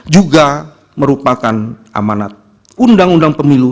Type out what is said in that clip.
juga merupakan amanat undang undang pemilu